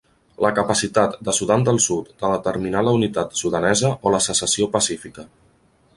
La capacitat de Sudan del Sud de determinar la unitat sudanesa o la secessió pacífica.